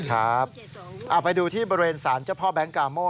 ครับไปดูที่บริเวณสารเจ้าพ่อแบงค์กาโม่